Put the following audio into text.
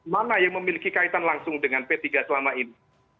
mana yang memiliki kaitan langsung dengan p tiga selama ini